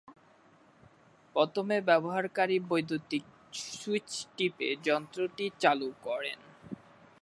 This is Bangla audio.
প্রথমে ব্যবহারকারী বৈদ্যুতিক সুইচ টিপে যন্ত্রটি চালু করেন।